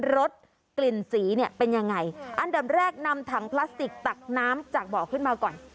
รสกลิ่นสีเนี่ยเป็นยังไงอันดับแรกนำถังพลาสติกตักน้ำจากบ่อขึ้นมาก่อน